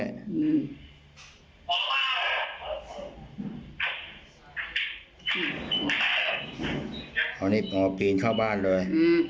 อันนี้ปีนเข้าบ้านด้วย